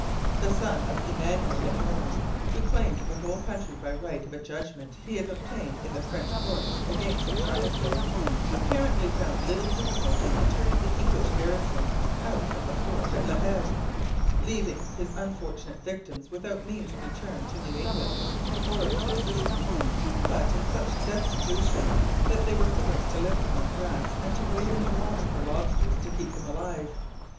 The son of Emmanuel Le Borgne, who claimed the whole country by right of a judgment he had obtained in the French courts against Charnisay, apparently found little difficulty in turning the English garrison out of the fort at La Heve, leaving his unfortunate victims without means of return to New England, or of subsistence; but in such destitution that they were forced 'to live upon grass and to wade in the water for lobsters to keep them alive.'